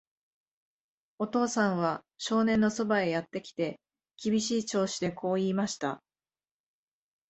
お父さんは少年のそばへやってきて、厳しい調子でこう言いました。